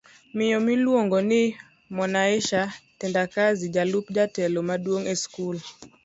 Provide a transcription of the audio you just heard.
Miyo miluongo ni Mwanaisha Tendakazi jalup jatelo maduong' eskul